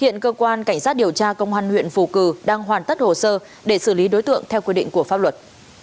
hiện cơ quan cảnh sát điều tra công an huyện phù cử đang hoàn tất hồ sơ để xử lý đối tượng theo quy định của pháp luật